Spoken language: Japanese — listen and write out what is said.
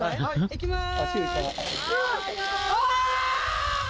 いきます。